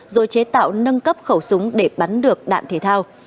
rồi chế tạo nâng cấp khẩu súng để bắn được đạn thể thao